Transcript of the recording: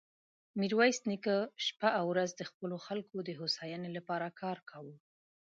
ميرويس نيکه شپه او ورځ د خپلو خلکو د هوساينې له پاره کار کاوه.